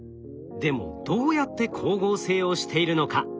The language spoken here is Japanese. でもどうやって光合成をしているのか。